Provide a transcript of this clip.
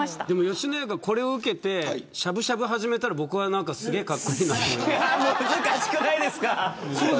吉野家がこれを受けてしゃぶしゃぶを始めたら僕はすごいかっこいいなと思います。